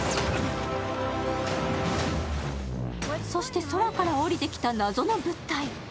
そして空から降りてきた謎の物体。